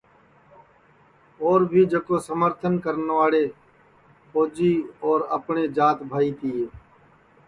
اور بھی جکو سمرتن کرنواڑے پھوجی اور اپٹؔے جات بھائی تیے